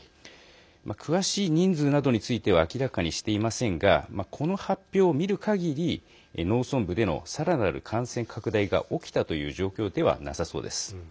詳しい人数などについては明らかにしていませんがこの発表を見るかぎり農村部でのさらなる感染拡大が起きたという状況ではなさそうです。